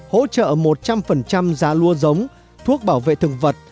hỗ trợ một trăm linh giá lúa giống thuốc bảo vệ thực vật